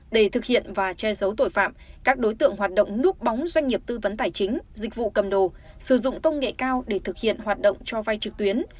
để thực hiện và che giấu tội phạm các đối tượng hoạt động núp bóng doanh nghiệp tư vấn tài chính dịch vụ cầm đồ sử dụng công nghệ cao để thực hiện hoạt động cho vai trực tuyến